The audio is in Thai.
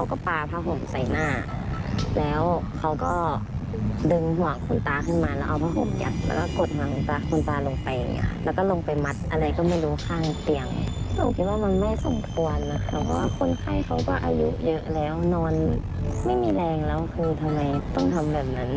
คือไม่มีแรงแล้วคือทำไมต้องทำแบบนั้น